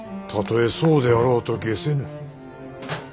たとえそうであろうとげせぬ。